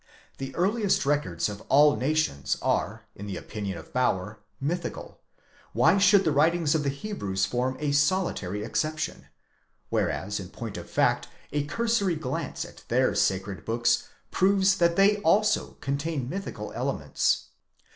The earliest records of all nations are, in the opinion of Bauer, mythical: why should the writings of the Hebrews form a solitary exception >—whereas in point of fact a cursory glance at their sacred books proves that they also contain mythical elements.